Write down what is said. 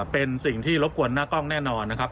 เป็นสิ่งที่รบกวนหน้ากล้องแน่นอนนะครับ